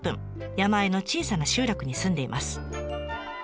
山あいの小さな集落に住んでいます。